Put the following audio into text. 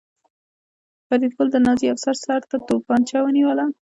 فریدګل د نازي افسر سر ته توپانچه ونیوله